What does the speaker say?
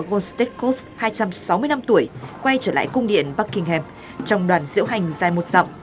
goldstead coast hai trăm sáu mươi năm tuổi quay trở lại cung điện buckingham trong đoàn diễu hành dài một dọng